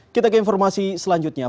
kita ke informasi selanjutnya